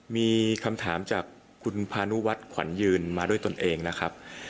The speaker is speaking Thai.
มีคำถามจากคุณพานุวัฒน์ขวัญยืนมาด้วยตนเองนะครับ